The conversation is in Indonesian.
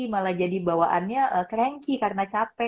malah jadi bawaannya kerankie karena capek